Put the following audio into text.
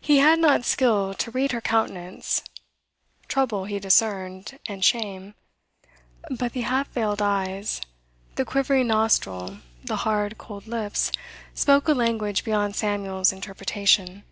He had not skill to read her countenance. Trouble he discerned, and shame; but the half veiled eyes, the quivering nostril, the hard, cold lips, spoke a language beyond Samuel's interpretation.